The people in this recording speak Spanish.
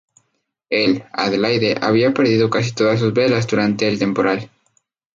El "Adelaide" había perdido casi todas sus velas durante el temporal.